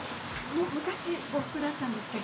昔呉服だったんですけど。